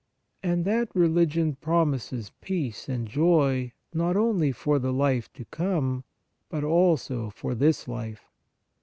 And that religion promises peace and joy not only for the life to come, but also for this life.